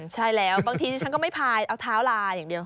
ใช่แล้วบางทีฉันก็ไม่พายเอาเท้าลาอย่างเดียว